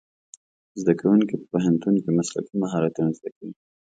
زدهکوونکي په پوهنتون کې مسلکي مهارتونه زده کوي.